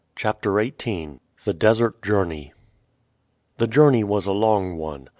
CHAPTER XVIII. THE DESERT JOURNEY. The journey was a long one.